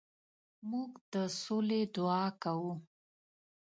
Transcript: موږ د سولې دعا کوو.